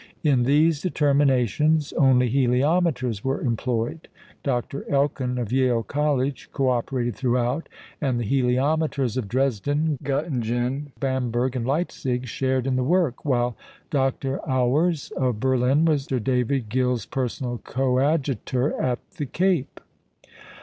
In these determinations, only heliometers were employed. Dr. Elkin, of Yale college, co operated throughout, and the heliometers of Dresden, Göttingen, Bamberg, and Leipzig, shared in the work, while Dr. Auwers of Berlin was Sir David Gill's personal coadjutor at the Cape.